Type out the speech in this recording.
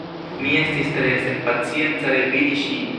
Mi estis tre senpacienca revidi ŝin.